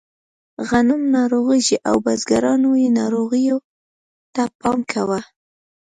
غنم ناروغېږي او بزګرانو یې ناروغیو ته پام کاوه.